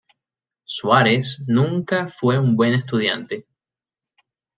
Suárez nunca fue un buen estudiante.